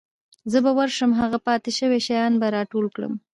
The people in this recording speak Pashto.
زه به ورشم هغه پاتې شوي شیان به راټول کړم.